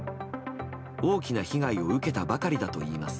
大きな被害を受けたばかりだといいます。